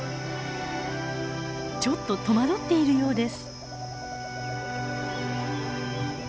ちょっととまどっているようです。